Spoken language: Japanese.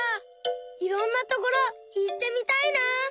いろんなところいってみたいな！